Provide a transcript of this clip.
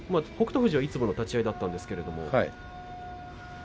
富士はいつもの立ち合いだったんですけれど。